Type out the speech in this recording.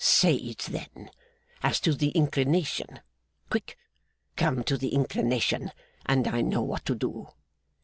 'Say it then. As to the inclination. Quick! Come to the inclination, and I know what to do.